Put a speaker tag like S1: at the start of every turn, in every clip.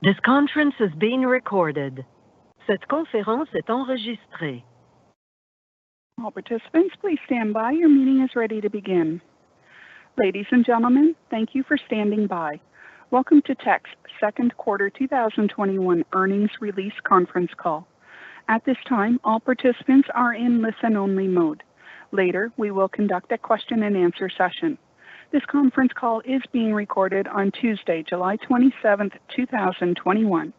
S1: Ladies and gentlemen, thank you for standing by. Welcome to Teck Resources' Q2 2021 earnings release conference call. At this time, all participants are in listen-only mode. Later, we will conduct a question and answer session. This conference call is being recorded on Tuesday, July 27, 2021.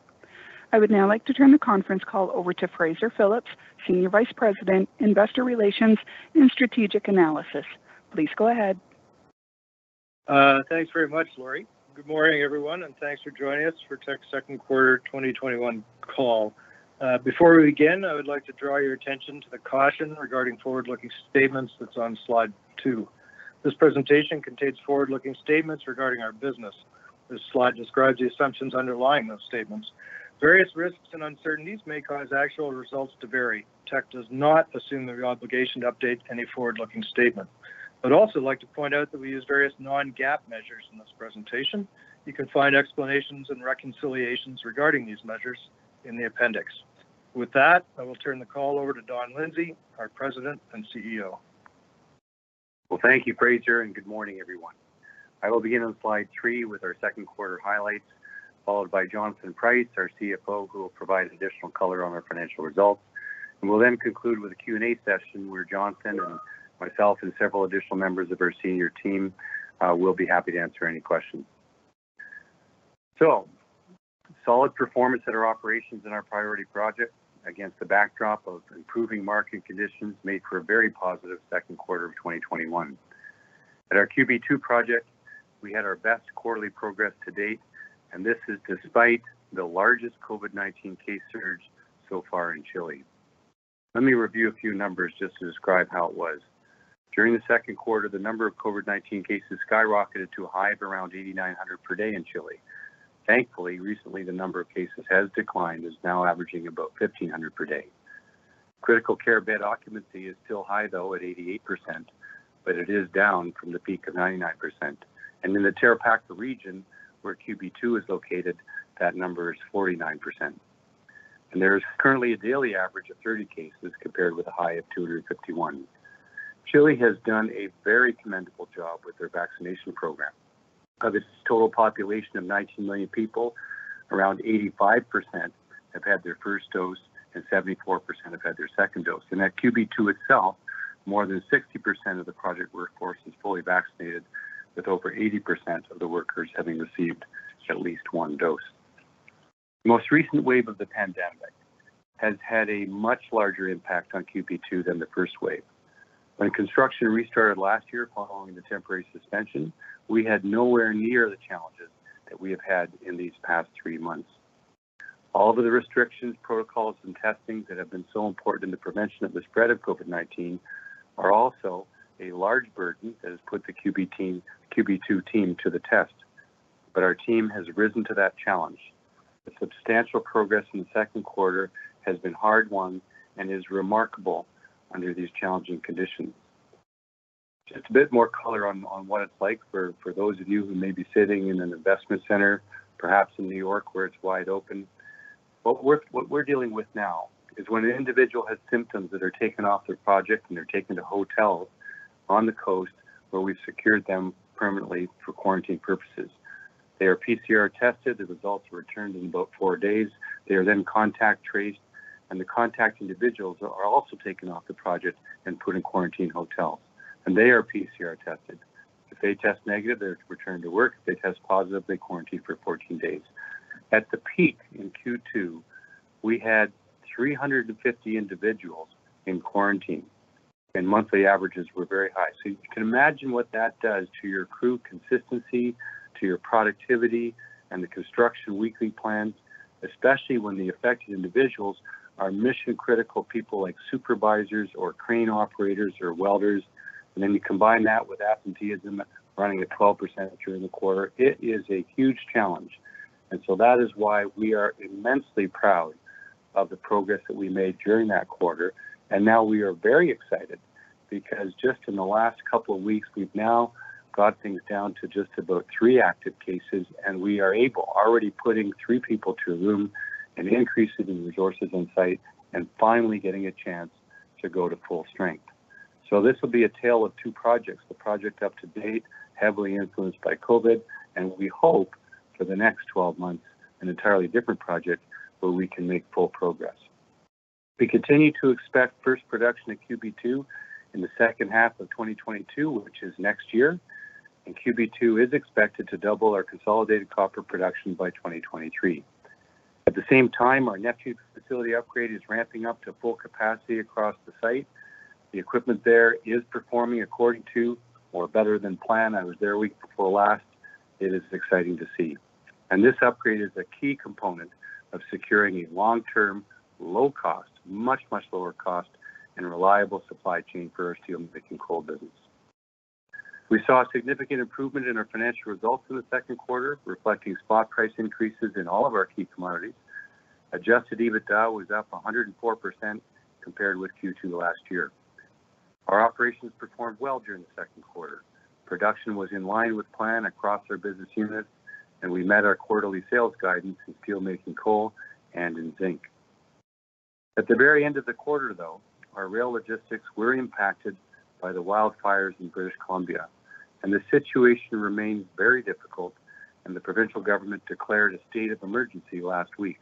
S1: I would now like to turn the conference call over to Fraser Phillips, Senior Vice President, Investor Relations and Strategic Analysis. Please go ahead.
S2: Thanks very much, Lori. Good morning, everyone. Thanks for joining us for Teck's Q2 2021 call. Before we begin, I would like to draw your attention to the caution regarding forward-looking statements that's on slide two. This presentation contains forward-looking statements regarding our business. This slide describes the assumptions underlying those statements. Various risks and uncertainties may cause actual results to vary. Teck does not assume the obligation to update any forward-looking statement. I'd also like to point out that we use various non-GAAP measures in this presentation. You can find explanations and reconciliations regarding these measures in the appendix. With that, I will turn the call over to Don Lindsay, our President and CEO.
S3: Well, thank you, Fraser. Good morning, everyone. I will begin on slide three with our second quarter highlights, followed by Jonathan Price, our CFO, who will provide additional color on our financial results, and we'll then conclude with a Q&A session where Jonathan and myself and several additional members of our senior team will be happy to answer any questions. Solid performance at our operations and our priority projects against the backdrop of improving market conditions made for a very positive second quarter of 2021. At our QB2 project, we had our best quarterly progress to date, and this is despite the largest COVID-19 case surge so far in Chile. Let me review a few numbers just to describe how it was. During the Q2, the number of COVID-19 cases skyrocketed to a high of around 8,900 per day in Chile. Thankfully, recently, the number of cases has declined, and is now averaging about 1,500 per day. Critical care bed occupancy is still high, though, at 88%, but it is down from the peak of 99%. In the Tarapacá Region, where QB2 is located, that number is 49%. There is currently a daily average of 30 cases compared with a high of 251. Chile has done a very commendable job with their vaccination program. Of its total population of 19 million people, around 85% have had their first dose and 74% have had their second dose. At QB2 itself, more than 60% of the project workforce is fully vaccinated, with over 80% of the workers having received at least one dose. The most recent wave of the pandemic has had a much larger impact on QB2 than the first wave. When construction restarted last year following the temporary suspension, we had nowhere near the challenges that we have had in these past three months. All of the restrictions, protocols, and testing that have been so important in the prevention of the spread of COVID-19 are also a large burden that has put the QB2 team to the test, but our team has risen to that challenge. The substantial progress in the Q2 has been hard-won and is remarkable under these challenging conditions. Just a bit more color on what it's like for those of you who may be sitting in an investment center, perhaps in New York where it's wide open. What we're dealing with now is when an individual has symptoms, they are taken off their project and they're taken to hotels on the coast where we've secured them permanently for quarantine purposes. They are PCR tested. The results are returned in about four days. They are then contact traced, and the contact individuals are also taken off the project and put in quarantine hotels, and they are PCR tested. If they test negative, they're returned to work. If they test positive, they quarantine for 14 days. At the peak in Q2, we had 350 individuals in quarantine, and monthly averages were very high. You can imagine what that does to your crew consistency, to your productivity, and the construction weekly plan, especially when the affected individuals are mission critical people like supervisors or crane operators or welders. You combine that with absenteeism running at 12% during the quarter, it is a huge challenge. That is why we are immensely proud of the progress that we made during that quarter. Now we are very excited because just in the last couple of weeks, we've now got things down to just about three active cases, and we are able already putting three people to a room and increasing the resources on site and finally getting a chance to go to full strength. This will be a tale of two projects. The project up to date, heavily influenced by COVID-19, and we hope for the next 12 months, an entirely different project where we can make full progress. We continue to expect first production at QB2 in the second half of 2022, which is next year. QB2 is expected to double our consolidated copper production by 2023. At the same time, our Neptune facility upgrade is ramping up to full capacity across the site. The equipment there is performing according to or better than planned. I was there a week before last. It is exciting to see. This upgrade is a key component of securing a long-term, low cost, much, much lower cost and reliable supply chain for our steelmaking coal business. We saw a significant improvement in our financial results for the Q2, reflecting spot price increases in all of our key commodities. Adjusted EBITDA was up 104% compared with Q2 last year. Our operations performed well during the Q2. Production was in line with plan across our business units, and we met our quarterly sales guidance in steelmaking coal and in zinc. At the very end of the quarter, though, our rail logistics were impacted by the wildfires in British Columbia, and the situation remains very difficult, and the provincial government declared a state of emergency last week.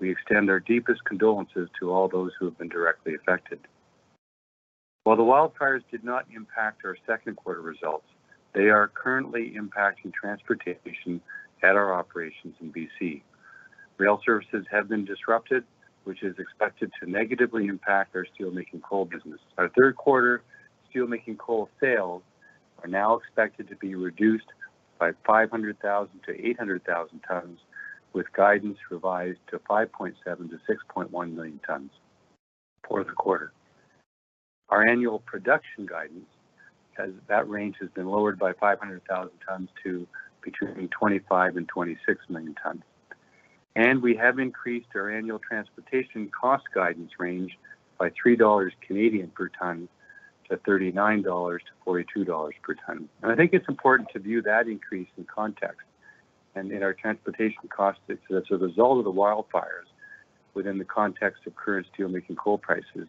S3: We extend our deepest condolences to all those who have been directly affected. While the wildfires did not impact our Q2 results, they are currently impacting transportation at our operations in B.C. Rail services have been disrupted, which is expected to negatively impact our steelmaking coal business. Our Q3 steelmaking coal sales are now expected to be reduced by 500,000-800,000 tons, with guidance revised to 5.7-6.1 million tons for the quarter. Our annual production guidance, as that range has been lowered by 500,000 tons to between 25 and 26 million tons. We have increased our annual transportation cost guidance range by 3 Canadian dollars per ton to 39-42 dollars per ton. I think it's important to view that increase in context, and in our transportation costs, that's a result of the wildfires within the context of current steelmaking coal prices.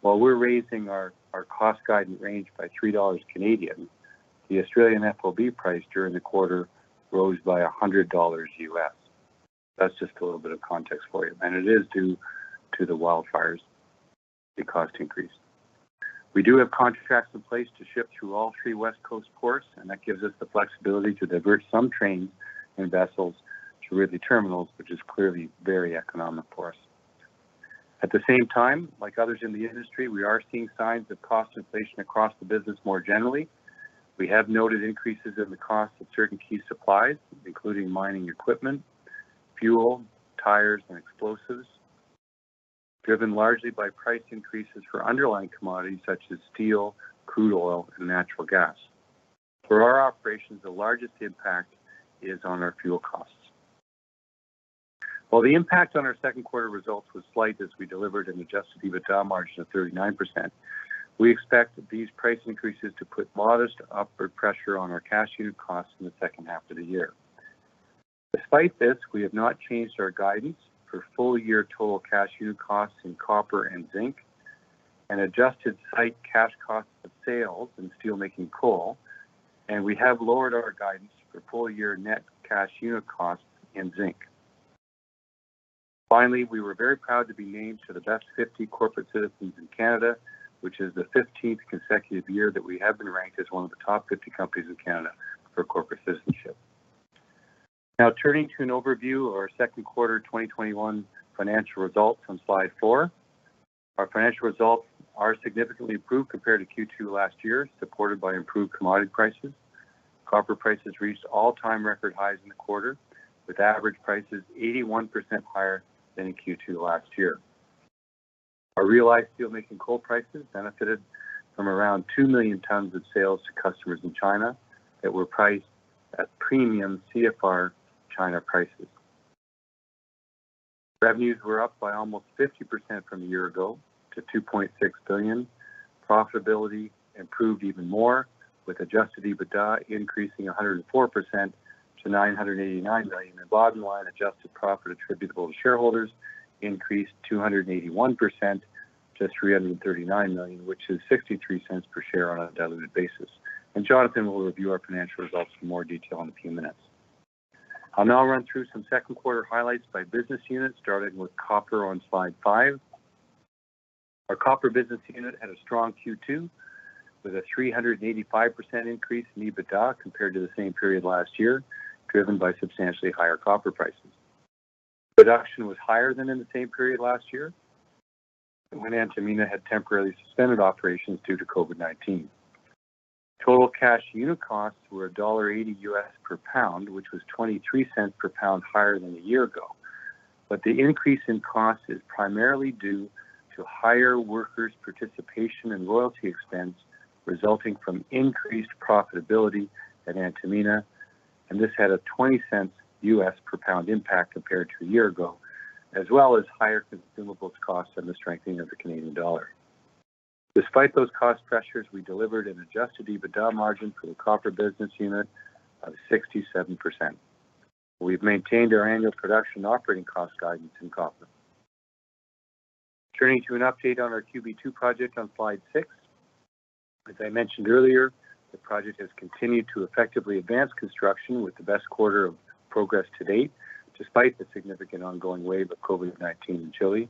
S3: While we're raising our cost guidance range by 3 Canadian dollars, the Aussie FOB price during the quarter rose by $100. That's just a little bit of context for you. It is due to the wildfires, the cost increase. We do have contracts in place to ship through all three West Coast ports. That gives us the flexibility to divert some trains and vessels to Ridley Terminals, which is clearly very economic for us. At the same time, like others in the industry, we are seeing signs of cost inflation across the business more generally. We have noted increases in the cost of certain key supplies, including mining equipment, fuel, tires, and explosives, driven largely by price increases for underlying commodities such as steel, crude oil and natural gas. For our operations, the largest impact is on our fuel costs. While the impact on our Q2 results was slight as we delivered an adjusted EBITDA margin of 39%, we expect these price increases to put modest upward pressure on our cash unit costs in the second half of the year. Despite this, we have not changed our guidance for full year total cash unit costs in copper and zinc and adjusted site cash cost of sales in steelmaking coal, and we have lowered our guidance for full year net cash unit costs in zinc. Finally, we were very proud to be named to the Best 50 Corporate Citizens in Canada, which is the 15th consecutive year that we have been ranked as one of the top 50 companies in Canada for Corporate Citizenship. Now, turning to an overview of ourQ2 2021 financial results on slide four. Our financial results are significantly improved compared to Q2 last year, supported by improved commodity prices. Copper prices reached all-time record highs in the quarter, with average prices 81% higher than in Q2 last year. Our realized steelmaking coal prices benefited from around 2 million tons of sales to customers in China that were priced at premium CFR China prices. Revenues were up by almost 50% from a year ago to 2.6 billion. Profitability improved even more, with adjusted EBITDA increasing 104% to 989 million. Bottom line, adjusted profit attributable to shareholders increased 281% to 339 million, which is 0.63 per share on a diluted basis. Jonathan Price will review our financial results in more detail in a few minutes. I'll now run through some second quarter highlights by business unit, starting with copper on slide five. Our copper business unit had a strong Q2 with a 385% increase in EBITDA compared to the same period last year, driven by substantially higher copper prices. Production was higher than in the same period last year when Antamina had temporarily suspended operations due to COVID-19. Total cash unit costs were $1.80 per pound, which was $0.23 per pound higher than a year ago. The increase in cost is primarily due to higher workers' participation and loyalty expense resulting from increased profitability at Antamina, and this had a $0.20 per pound impact compared to a year ago, as well as higher consumables costs and the strengthening of the Canadian dollar. Despite those cost pressures, we delivered an adjusted EBITDA margin for the copper business unit of 67%. We've maintained our annual production operating cost guidance in copper. Turning to an update on our QB2 project on slide six. As I mentioned earlier, the project has continued to effectively advance construction with the best quarter of progress to date, despite the significant ongoing wave of COVID-19 in Chile.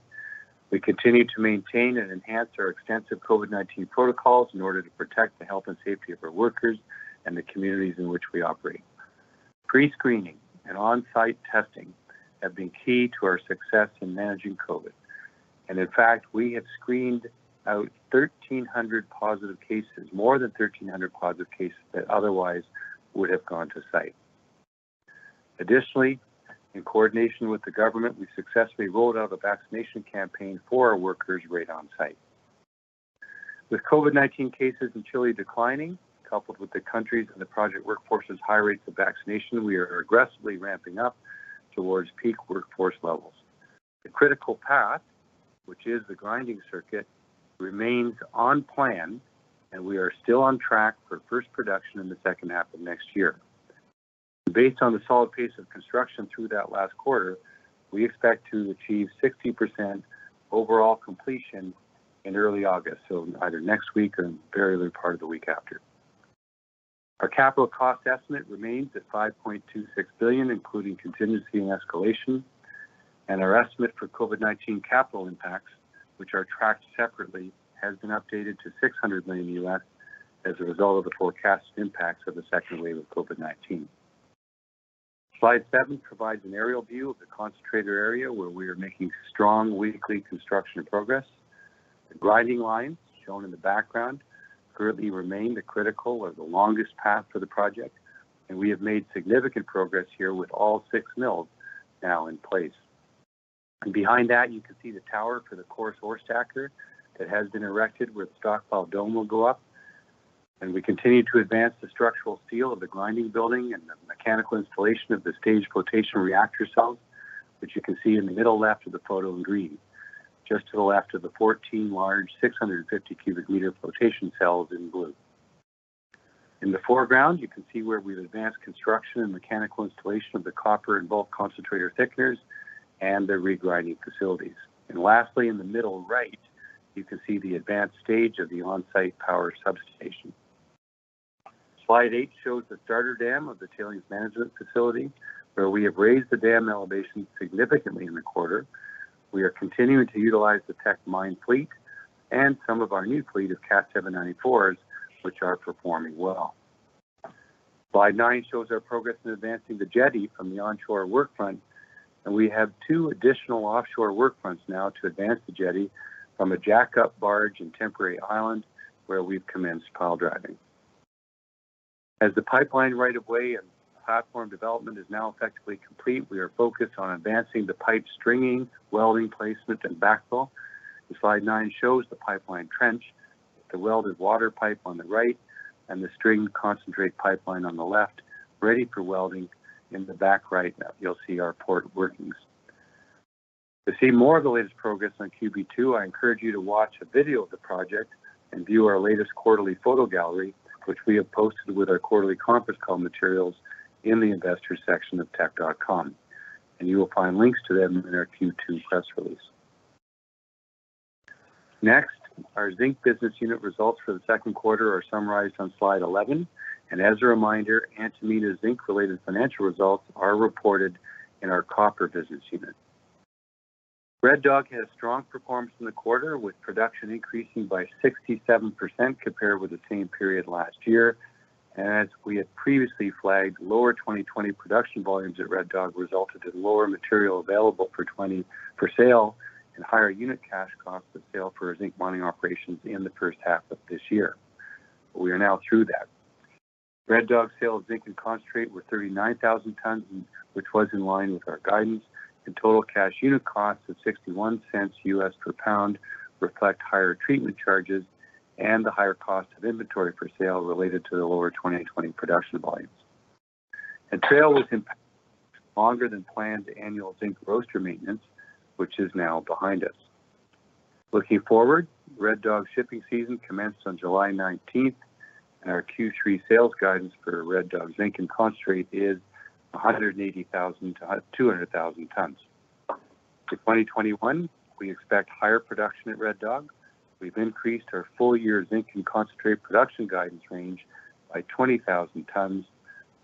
S3: We continue to maintain and enhance our extensive COVID-19 protocols in order to protect the health and safety of our workers and the communities in which we operate. Pre-screening and on-site testing have been key to our success in managing COVID-19. In fact, we have screened out 1,300 positive cases, more than 1,300 positive cases that otherwise would have gone to site. Additionally, in coordination with the government, we successfully rolled out a vaccination campaign for our workers right on site. With COVID-19 cases in Chile declining, coupled with the country's and the project workforce's high rates of vaccination, we are aggressively ramping up towards peak workforce levels. The critical path, which is the grinding circuit, remains on plan, we are still on track for first production in the second half of next year. Based on the solid pace of construction through that last quarter, we expect to achieve 60% overall completion in early August, so either next week or the very part of the week after. Our capital cost estimate remains at 5.26 billion, including contingency and escalation. Our estimate for COVID-19 capital impacts, which are tracked separately, has been updated to $600 million as a result of the forecast impacts of the second wave of COVID-19. Slide seven provides an aerial view of the concentrator area where we are making strong weekly construction progress. The grinding line, shown in the background, currently remain the critical or the longest path for the project, and we have made significant progress here with all six mills now in place. Behind that, you can see the tower for the coarse ore stacker that has been erected where the stockpile dome will go up. We continue to advance the structural steel of the grinding building and the mechanical installation of the staged flotation reactor cells, which you can see in the middle left of the photo in green, just to the left of the 14 large 650 cubic meter flotation cells in blue. In the foreground, you can see where we've advanced construction and mechanical installation of the copper and bulk concentrator thickeners and the regrinding facilities. Lastly, in the middle right, you can see the advanced stage of the on-site power substation. Slide eight shows the starter dam of the tailings management facility, where we have raised the dam elevation significantly in the quarter. We are continuing to utilize the Teck mine fleet and some of our new fleet of Cat 794s, which are performing well. Slide nine shows our progress in advancing the jetty from the onshore work front, and we have two additional offshore work fronts now to advance the jetty from a jackup barge and temporary island, where we've commenced pile driving. As the pipeline right of way and platform development is now effectively complete, we are focused on advancing the pipe stringing, welding placement, and backfill. Slide nine shows the pipeline trench, the welded water pipe on the right, and the string concentrate pipeline on the left, ready for welding. In the back right map, you'll see our port workings. To see more of the latest progress on QB2, I encourage you to watch a video of the project and view our latest quarterly photo gallery, which we have posted with our quarterly conference call materials in the investors section of teck.com. You will find links to them in our Q2 press release. Next, our zinc business unit results for the Q2 are summarized on Slide 11. As a reminder, Antamina zinc-related financial results are reported in our copper business unit. Red Dog had a strong performance in the quarter, with production increasing by 67% compared with the same period last year. As we had previously flagged, lower 2020 production volumes at Red Dog resulted in lower material available for sale and higher unit cash cost of sale for our zinc mining operations in the first half of this year. We are now through that. Red Dog sale of zinc and concentrate were 39,000 tons, which was in line with our guidance, and total cash unit costs of $0.61 per pound reflect higher treatment charges and the higher cost of inventory for sale related to the lower 2020 production volumes. Trail was impacted by longer than planned annual zinc roaster maintenance, which is now behind us. Looking forward, Red Dog shipping season commenced on July 19th, and our Q3 sales guidance for Red Dog zinc and concentrate is 180,000-200,000 tons. To 2021, we expect higher production at Red Dog. We've increased our full year zinc and concentrate production guidance range by 20,000 tons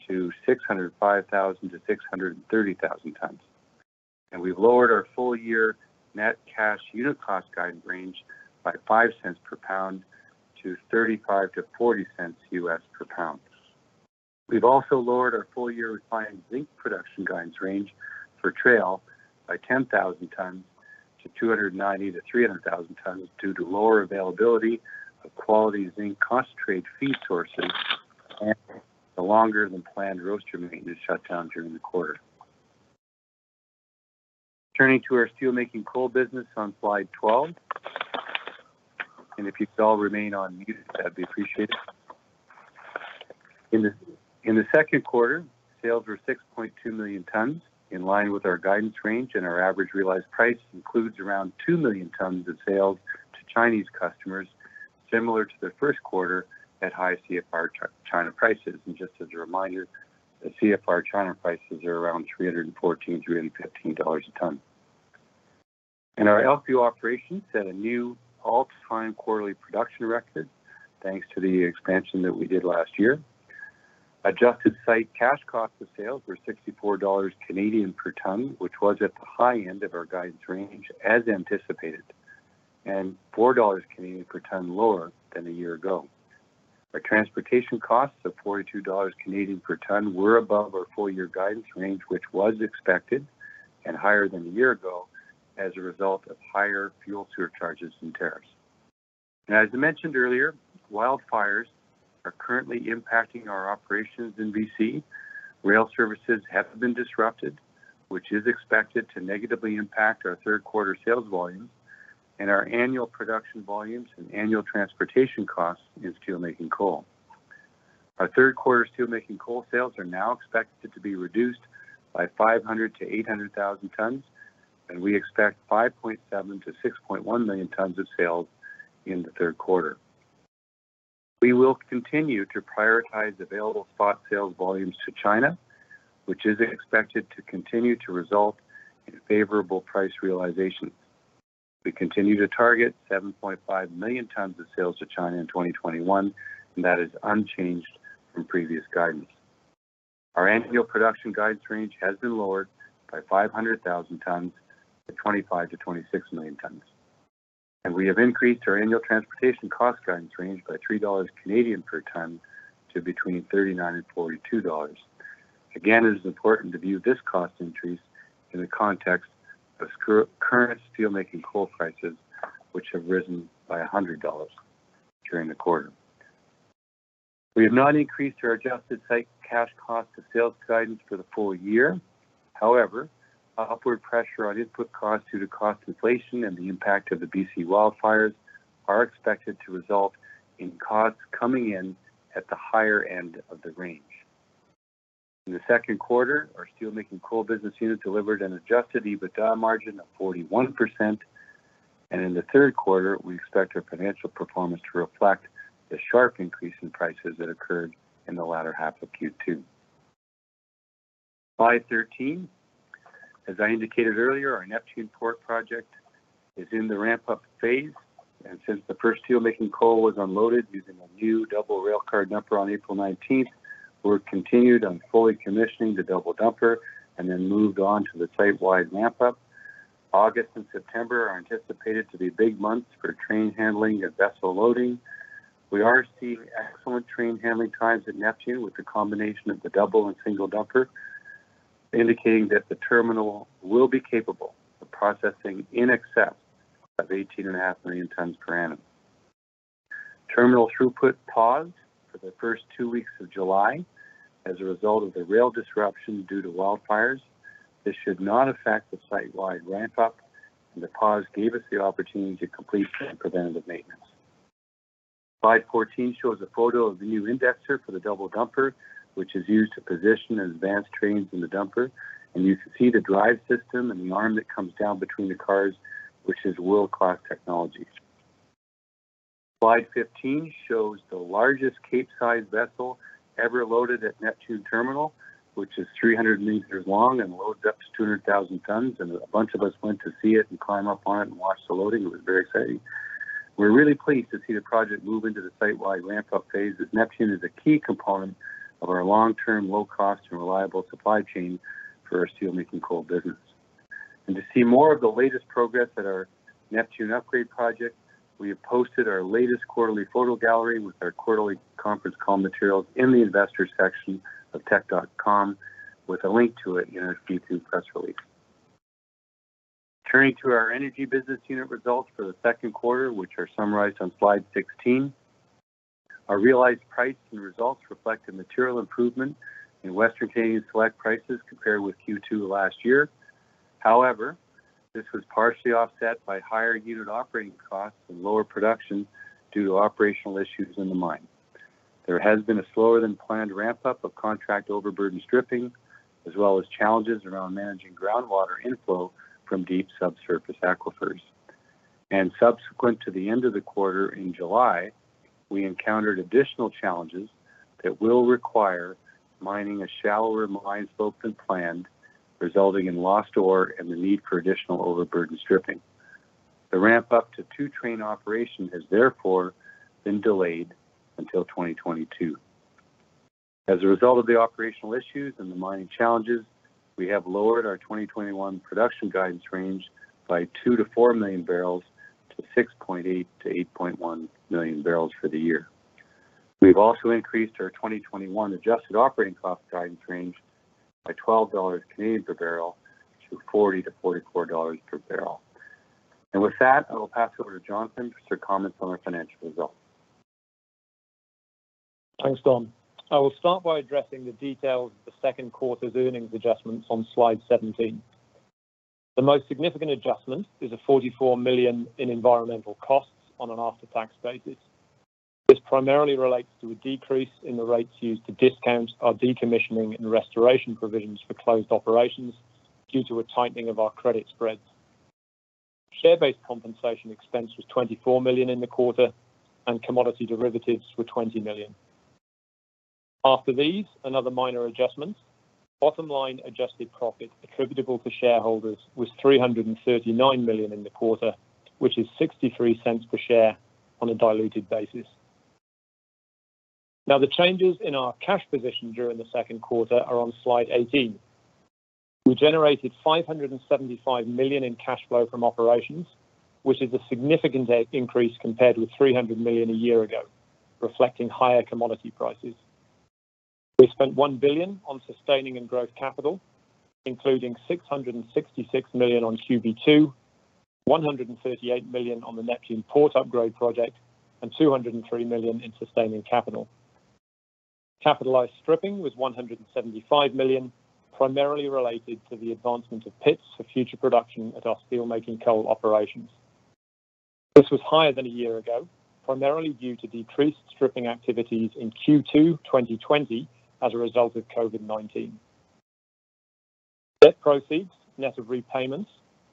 S3: to 605,000-630,000 tons. We've lowered our full year net cash unit cost guidance range by $0.05 per pound to $0.35-$0.40 per pound. We've also lowered our full year refined zinc production guidance range for Trail by 10,000 tons to 290,000-300,000 tons due to lower availability of quality zinc concentrate feed sources and the longer than planned roaster maintenance shutdown during the quarter. Turning to our steelmaking coal business on slide 12. If you could all remain on mute, that'd be appreciated. In the Q2, sales were 6.2 million tons, in line with our guidance range. Our average realized price includes around two million tons of sales to Chinese customers, similar to the first quarter at high CFR China prices. Just as a reminder, the CFR China prices are around 314-315 dollars a ton. Our LPU operations set a new all-time quarterly production record thanks to the expansion that we did last year. Adjusted site cash cost of sales were 64 Canadian dollars per ton, which was at the high end of our guidance range as anticipated, and 4 Canadian dollars per ton lower than a year ago. Our transportation costs of 42 Canadian dollars per ton were above our full year guidance range, which was expected, and higher than a year ago as a result of higher fuel surcharges and tariffs. As I mentioned earlier, wildfires are currently impacting our operations in B.C. Rail services have been disrupted, which is expected to negatively impact our Q3 sales volume and our annual production volumes and annual transportation costs in steelmaking coal. Our Q3 steelmaking coal sales are now expected to be reduced by 500,000-800,000 tons, and we expect 5.7 million-6.1 million tons of sales in theQ3. We will continue to prioritize available spot sales volumes to China, which is expected to continue to result in favorable price realization. We continue to target 7.5 million tons of sales to China in 2021. That is unchanged from previous guidance. Our annual production guidance range has been lowered by 500,000 tons to 25 to 26 million tons. We have increased our annual transportation cost guidance range by 3 Canadian dollars per ton to between 39 and 42 dollars. Again, it is important to view this cost increase in the context of current steelmaking coal prices, which have risen by 100 dollars during the quarter. We have not increased our adjusted site cash cost of sales guidance for the full year. Upward pressure on input costs due to cost inflation and the impact of the B.C. wildfires are expected to result in costs coming in at the higher end of the range. In the second quarter, our steelmaking coal business unit delivered an adjusted EBITDA margin of 41%, and in the third quarter, we expect our financial performance to reflect the sharp increase in prices that occurred in the latter half of Q2. Slide 13. As I indicated earlier, our Neptune Terminal project is in the ramp-up phase, and since the first steelmaking coal was unloaded using a new double railcar dumper on April 19th, work continued on fully commissioning the double dumper and then moved on to the site-wide ramp up. August and September are anticipated to be big months for train handling and vessel loading. We are seeing excellent train handling times at Neptune with the combination of the double and single dumper, indicating that the terminal will be capable of processing in excess of 18.5 million tons per annum. Terminal throughput paused for the first two weeks of July as a result of the rail disruption due to wildfires. This should not affect the site-wide ramp up, and the pause gave us the opportunity to complete some preventative maintenance. Slide 14 shows a photo of the new indexer for the double dumper, which is used to position advanced trains in the dumper, and you can see the drive system and the arm that comes down between the cars, which is world-class technology. Slide 15 shows the largest Capesize vessel ever loaded at Neptune Terminal, which is 300 meters long and loads up to 200,000 tons. A bunch of us went to see it and climb up on it and watch the loading. It was very exciting. We're really pleased to see the project move into the site-wide ramp-up phase, as Neptune is a key component of our long-term, low-cost, and reliable supply chain for our steelmaking coal business. To see more of the latest progress at our Neptune Upgrade Project, we have posted our latest quarterly photo gallery with our quarterly conference call materials in the investors section of teck.com with a link to it in our Q2 press release. Turning to our energy business unit results for the Q2, which are summarized on slide 16. Our realized price and results reflect a material improvement in Western Canadian Select prices compared with Q2 last year. However, this was partially offset by higher unit operating costs and lower production due to operational issues in the mine. There has been a slower-than-planned ramp-up of contract overburden stripping, as well as challenges around managing groundwater inflow from deep subsurface aquifers. Subsequent to the end of the quarter in July, we encountered additional challenges that will require mining a shallower mine slope than planned, resulting in lost ore and the need for additional overburden stripping. The ramp-up to two train operation has therefore been delayed until 2022. As a result of the operational issues and the mining challenges, we have lowered our 2021 production guidance range by 2 million-4 million barrels to 6.8 million-8.1 million barrels for the year. We've also increased our 2021 adjusted operating cost guidance range by 12 Canadian dollars per barrel to 40-44 dollars per barrel. With that, I will pass over to Jonathan for some comments on our financial results.
S4: Thanks, Don. I will start by addressing the details of the Q2 earnings adjustments on slide 17. The most significant adjustment is a 44 million in environmental costs on an after-tax basis. This primarily relates to a decrease in the rates used to discount our decommissioning and restoration provisions for closed operations due to a tightening of our credit spreads. Share-based compensation expense was 24 million in the quarter, and commodity derivatives were 20 million. After these and other minor adjustments, bottom-line adjusted profit attributable to shareholders was 339 million in the quarter, which is 0.63 per share on a diluted basis. The changes in our cash position during the Q2 are on slide 18. We generated 575 million in cash flow from operations, which is a significant increase compared with 300 million a year ago, reflecting higher commodity prices. We spent 1 billion on sustaining and growth capital, including 666 million on QB2, 138 million on the Neptune port upgrade project, and 203 million in sustaining capital. Capitalized stripping was 175 million, primarily related to the advancement of pits for future production at our steelmaking coal operations. This was higher than a year ago, primarily due to decreased stripping activities in Q2 2020 as a result of COVID-19. Debt proceeds, net of repayments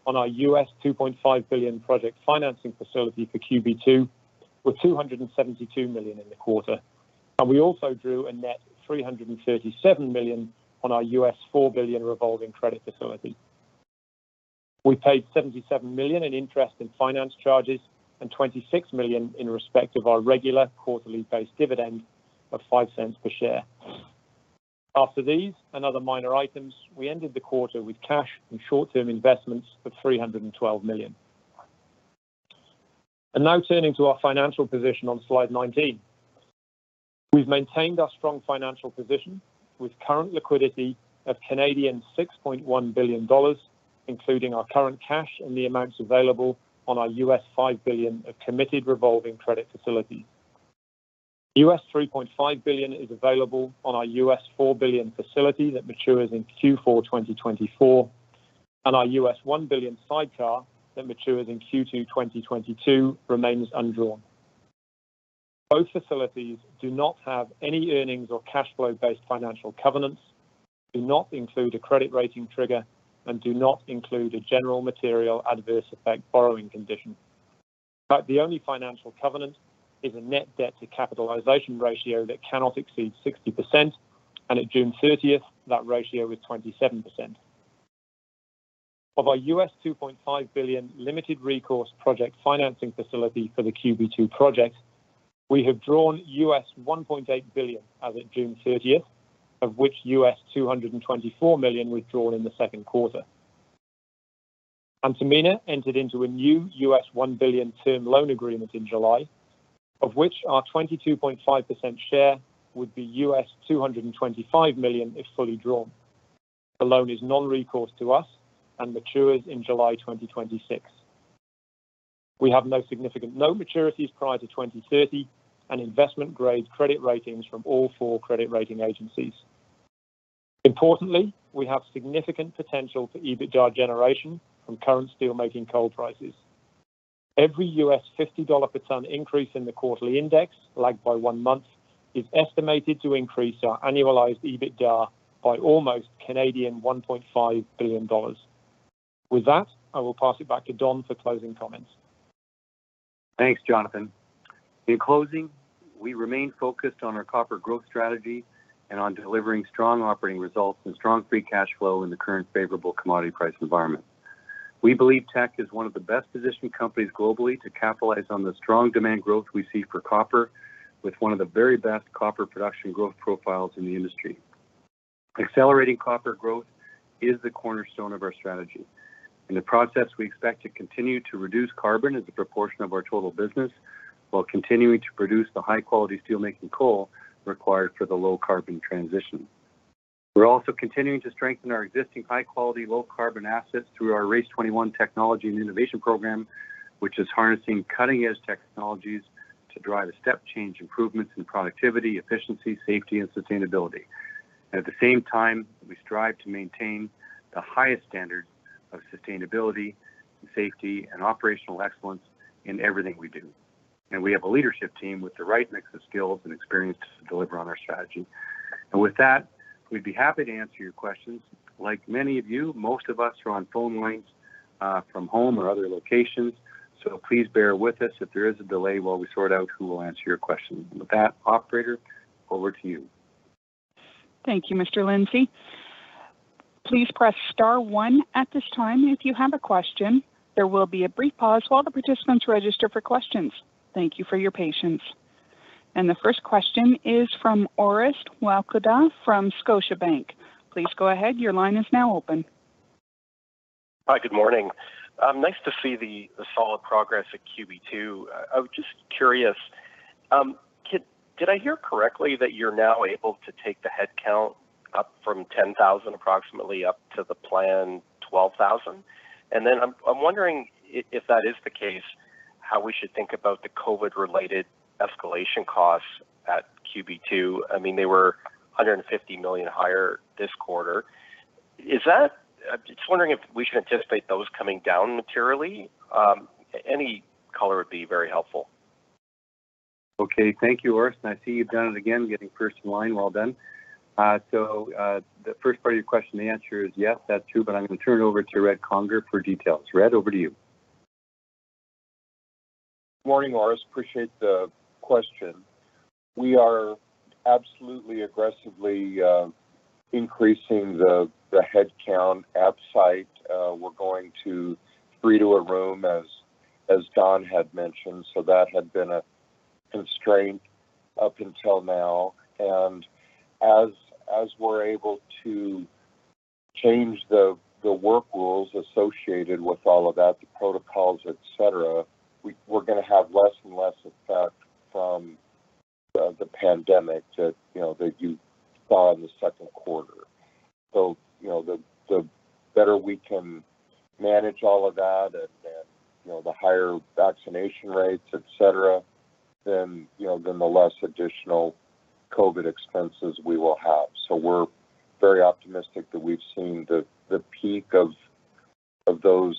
S4: on our $2.5 billion project financing facility for QB2 were 272 million in the quarter. We also drew a net 337 million on our $4 billion revolving credit facility. We paid 77 million in interest and finance charges and 26 million in respect of our regular quarterly-based dividend of 0.05 per share. After these and other minor items, we ended the quarter with cash and short-term investments of 312 million. Now turning to our financial position on slide 19. We've maintained our strong financial position with current liquidity of 6.1 billion Canadian dollars, including our current cash and the amounts available on our $5 billion of committed revolving credit facility. $3.5 billion is available on our $4 billion facility that matures in Q4 2024, and our $1 billion sidecar that matures in Q2 2022 remains undrawn. Both facilities do not have any earnings or cashflow-based financial covenants, do not include a credit rating trigger, and do not include a general material adverse effect borrowing condition. In fact, the only financial covenant is a net debt to capitalization ratio that cannot exceed 60%, and at June 30th, that ratio was 27%. Of our $2.5 billion limited recourse project financing facility for the QB2 project, we have drawn $1.8 billion as at June 30th, of which $224 million was drawn in the Q2 Antamina entered into a new $1 billion term loan agreement in July, of which our 22.5% share would be $225 million if fully drawn. The loan is non-recourse to us and matures in July 2026. We have no significant loan maturities prior to 2030 and investment-grade credit ratings from all four credit rating agencies. Importantly, we have significant potential for EBITDA generation from current steelmaking coal prices. Every $50 per ton increase in the quarterly index, lagged by one month, is estimated to increase our annualized EBITDA by almost 1.5 billion Canadian dollars. With that, I will pass it back to Don for closing comments.
S3: Thanks, Jonathan. In closing, we remain focused on our copper growth strategy and on delivering strong operating results and strong free cash flow in the current favorable commodity price environment. We believe Teck is one of the best-positioned companies globally to capitalize on the strong demand growth we see for copper with one of the very best copper production growth profiles in the industry. Accelerating copper growth is the cornerstone of our strategy. In the process, we expect to continue to reduce carbon as a proportion of our total business while continuing to produce the high-quality steelmaking coal required for the low-carbon transition. We're also continuing to strengthen our existing high-quality, low-carbon assets through our RACE21 technology and innovation program, which is harnessing cutting-edge technologies to drive step-change improvements in productivity, efficiency, safety, and sustainability. At the same time, we strive to maintain the highest standards of sustainability and safety and operational excellence in everything we do. We have a leadership team with the right mix of skills and experience to deliver on our strategy. With that, we'd be happy to answer your questions. Like many of you, most of us are on phone lines from home or other locations, so please bear with us if there is a delay while we sort out who will answer your question. With that, Operator, over to you.
S1: Thank you, Mr. Lindsay. Please press star one at this time if you have a question. There will be a brief pause while the participants register for questions. Thank you for your patience. The first question is from Orest Wowkodaw from Scotiabank. Please go ahead, your line is now open.
S5: Hi, good morning. Nice to see the solid progress at QB2. I was just curious, did I hear correctly that you're now able to take the headcount up from 10,000 approximately up to the planned 12,000? I'm wondering if that is the case, how we should think about the COVID-related escalation costs at QB2. They were $150 million higher this quarter. Just wondering if we should anticipate those coming down materially? Any color would be very helpful.
S3: Okay. Thank you, Orest, and I see you've done it again, getting first in line. Well done. The first part of your question, the answer is yes, that's true, but I'm going to turn it over to Red Conger for details. Red, over to you.
S6: Morning, Orest. Appreciate the question. We are absolutely aggressively increasing the headcount at site. We're going to three to a room as Don had mentioned. That had been a constraint up until now, and as we're able to change the work rules associated with all of that, the protocols, et cetera, we're going to have less and less effect from the pandemic that you saw in Q2. The better we can manage all of that, and the higher vaccination rates, et ceteraThen the less additional COVID expenses we will have. We're very optimistic that we've seen the peak of those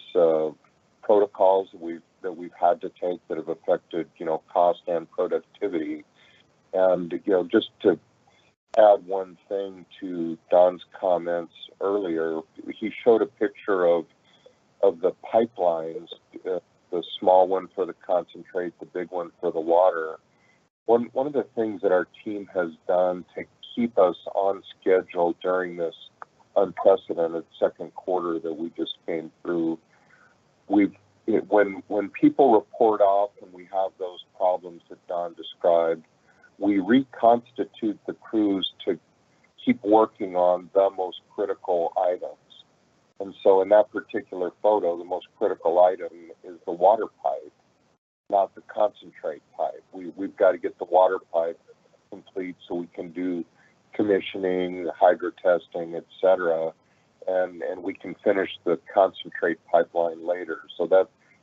S6: protocols that we've had to take that have affected cost and productivity. Just to add one thing to Don's comments earlier, he showed a picture of the pipelines, the small one for the concentrate, the big one for the water. One of the things that our team has done to keep us on schedule during this unprecedented Q2 that we just came through, when people report off and we have those problems that Don described, we reconstitute the crews to keep working on the most critical items. In that particular photo, the most critical item is the water pipe, not the concentrate pipe. We've got to get the water pipe complete so we can do commissioning, hydro testing, et cetera, and we can finish the concentrate pipeline later.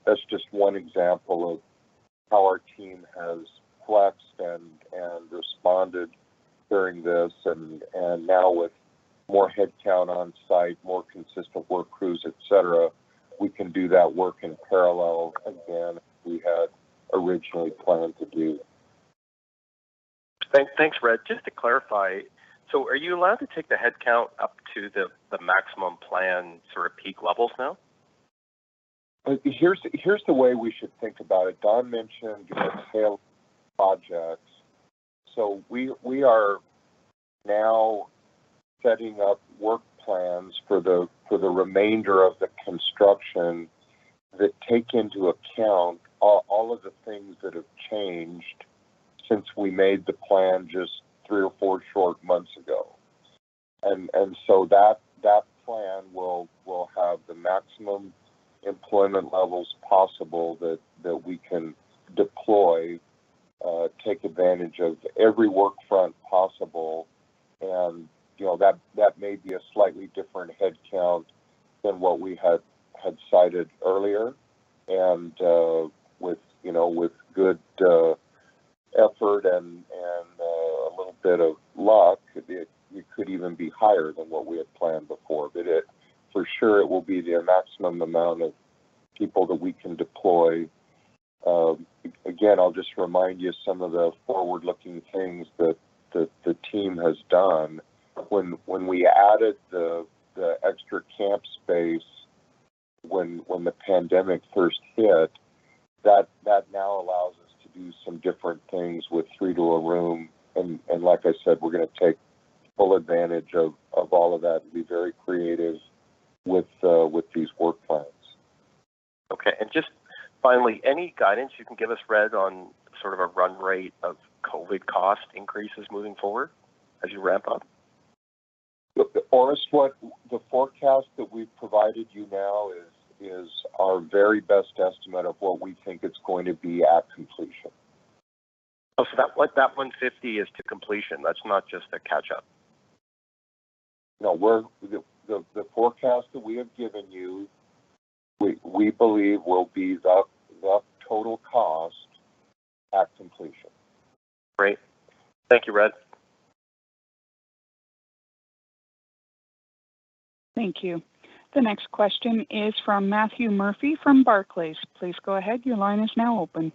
S6: That's just one example of how our team has flexed and responded during this. Now with more head count on site, more consistent work crews, et cetera, we can do that work in parallel again, as we had originally planned to do.
S5: Thanks, Red. Just to clarify, are you allowed to take the head count up to the maximum plan sort of peak levels now?
S6: Here's the way we should think about it. Don mentioned the tailings projects. We are now setting up work plans for the remainder of the construction that take into account all of the things that have changed since we made the plan just three or four short months ago. That plan will have the maximum employment levels possible that we can deploy, take advantage of every work front possible, and that may be a slightly different head count than what we had cited earlier. With good effort and a little bit of luck, it could even be higher than what we had planned before. For sure, it will be the maximum amount of people that we can deploy. Again, I'll just remind you of some of the forward-looking things that the team has done. When we added the extra camp space when the pandemic first hit, that now allows us to do some different things with three to a room. Like I said, we're going to take full advantage of all of that and be very creative with these work plans.
S5: Okay. Just finally, any guidance you can give us, Red, on sort of a run rate of COVID cost increases moving forward as you ramp up?
S6: Orest, what the forecast that we've provided you now is our very best estimate of what we think it's going to be at completion.
S5: Oh, that 150 is to completion, that's not just a catch-up?
S6: No. The forecast that we have given you, we believe will be the total cost at completion.
S5: Great. Thank you, Red.
S1: Thank you. The next question is from Matthew Murphy from Barclays. Please go ahead, your line is now open.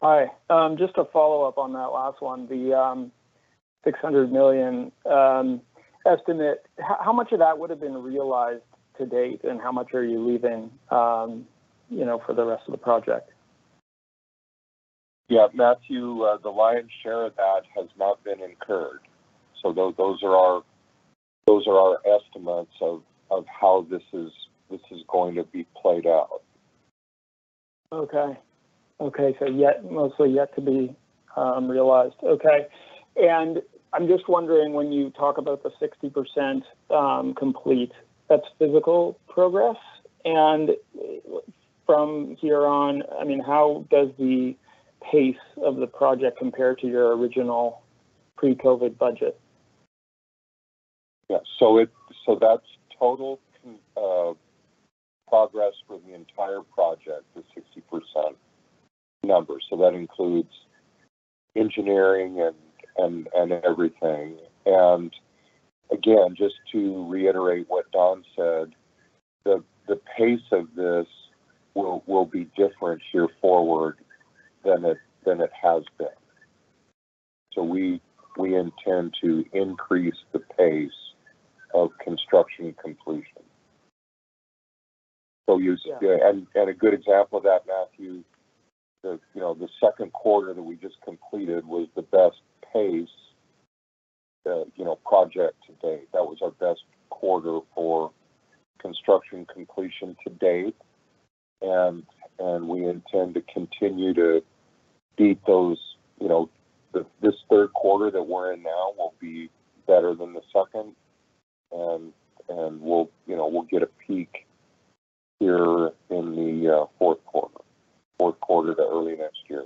S7: Hi. Just to follow up on that last one, the 600 million estimate, how much of that would have been realized to date and how much are you leaving for the rest of the project?
S6: Yeah, Matthew, the lion's share of that has not been incurred. Those are our estimates of how this is going to be played out.
S7: Okay. Mostly yet to be realized. Okay. I'm just wondering, when you talk about the 60% complete, that's physical progress? From here on, how does the pace of the project compare to your original pre-COVID budget?
S6: Yeah. That's total progress for the entire project, the 60% number. That includes engineering and everything. Again, just to reiterate what Don said, the pace of this will be different here forward than it has been. We intend to increase the pace of construction completion. A good example of that, Matthew, the Q2 that we just completed was the best pace project to date. That was our best quarter for construction completion to date. We intend to continue to beat those. This third quarter that we're in now will be better than the second, and we'll get a peak here in the fourth quarter to early next year.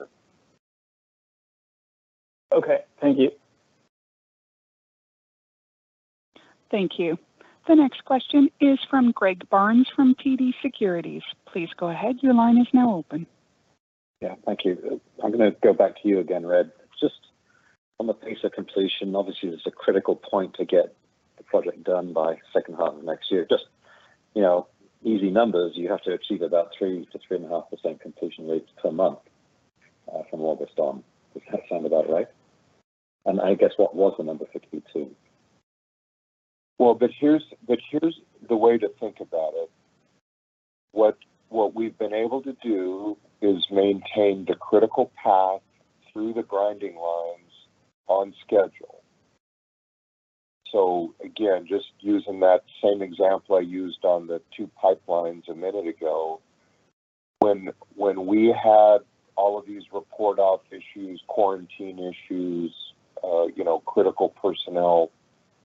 S7: Okay. Thank you.
S1: Thank you. The next question is from Greg Barnes from TD Securities. Please go ahead. Your line is now open.
S8: Yeah, thank you. I'm going to go back to you again, Red, just on the pace of completion. Obviously, there's a critical point to get the project done by the second half of next year. Just easy numbers, you have to achieve about 3%-3.5% completion rates per month from August on. Does that sound about right? I guess what was the number for Q2?
S6: Here's the way to think about it. What we've been able to do is maintain the critical path through the grinding lines on schedule. Again, just using that same example I used on the two pipelines a minute ago, when we had all of these report out issues, quarantine issues, critical personnel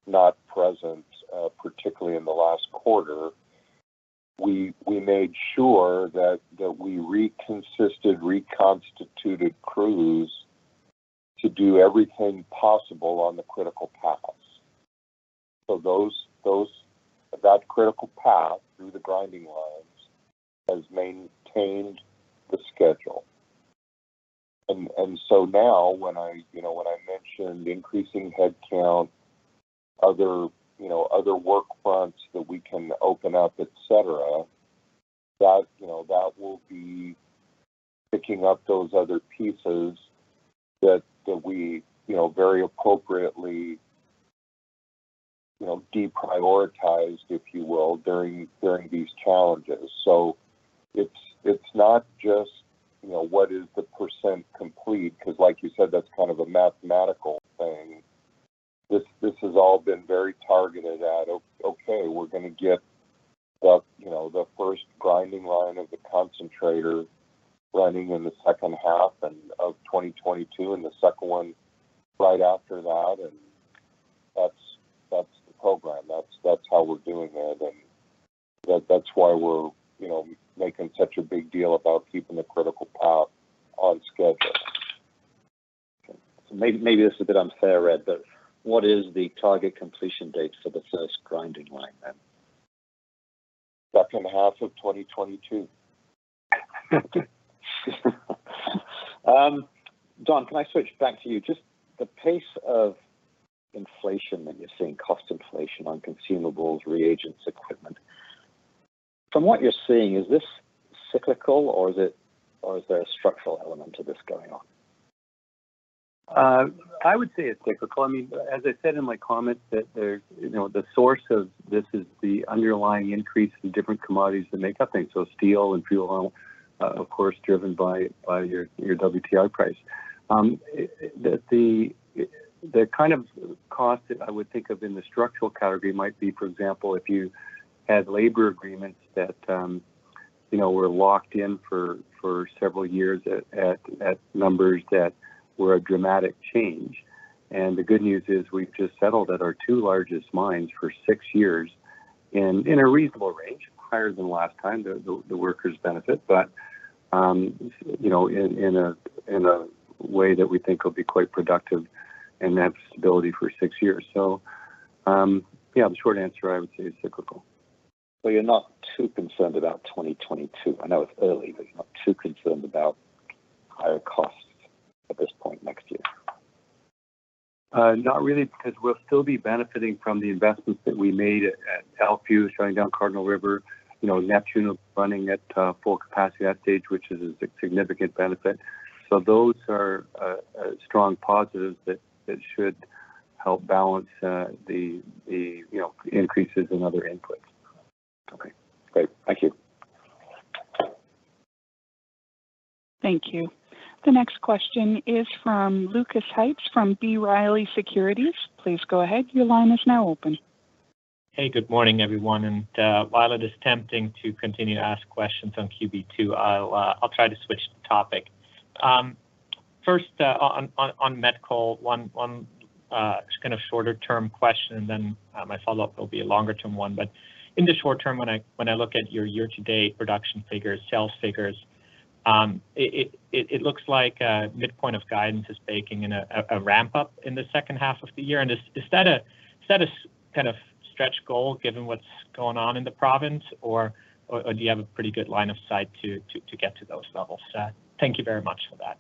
S6: not present, particularly in the last quarter, we made sure that we reconstituted crews to do everything possible on the critical paths. That critical path through the grinding lines has maintained the schedule. Now when I mention increasing headcount, other work fronts that we can open up, et cetera, that will be picking up those other pieces that we very appropriately deprioritized, if you will, during these challenges. It's not just what is the percent complete, because like you said, that's kind of a mathematical thing. This has all been very targeted at, okay, we're going to get the first grinding line of the concentrator running in the second half of 2022 and the second one right after that, and that's the program. That's how we're doing it, and that's why we're making such a big deal about keeping the critical path on schedule.
S8: Okay. Maybe this is a bit unfair, Red, but what is the target completion date for the first grinding line, then?
S6: Second half of 2022.
S8: Don, can I switch back to you? Just the pace of inflation that you're seeing, cost inflation on consumables, reagents, equipment. From what you're seeing, is this cyclical or is there a structural element to this going on?
S3: I would say it's cyclical. As I said in my comments, the source of this is the underlying increase in different commodities that make up things. Steel and fuel oil, of course, driven by your WTI price. The kind of cost that I would think of in the structural category might be, for example, if you had labor agreements that were locked in for several years at numbers that were a dramatic change. The good news is we've just settled at our two largest mines for six years and in a reasonable range, higher than last time, the workers benefit, but in a way that we think will be quite productive and have stability for six years. Yeah, the short answer I would say is cyclical.
S8: You're not too concerned about 2022. I know it's early, but you're not too concerned about higher costs at this point next year.
S3: Not really, because we'll still be benefiting from the investments that we made at Talbots, shutting down Cardinal River, Neptune Terminal running at full capacity at stage, which is a significant benefit. Those are strong positives that should help balance the increases in other inputs.
S8: Okay, great. Thank you.
S1: Thank you. The next question is from Lucas Pipes from B. Riley Securities. Please go ahead. Your line is now open.
S9: Hey, good morning, everyone. While it is tempting to continue to ask questions on QB2, I'll try to switch the topic. First, on met coal, one kind of shorter term question, then my follow-up will be a longer-term one. In the short term, when I look at your year-to-date production figures, sales figures, it looks like midpoint of guidance is baking in a ramp-up in the second half of the year. Is that a kind of stretch goal given what's going on in the province, or do you have a pretty good line of sight to get to those levels? Thank you very much for that.